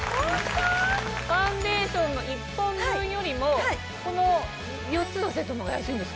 ファンデーションの１本分よりもこの４つのセットの方が安いんですか？